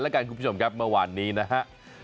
แล้วกันคุณผู้ชมครับเมื่อวานนี้นะฮะ